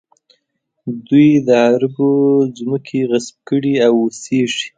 دوی د عربو ځمکې غصب کړي او اوسېږي.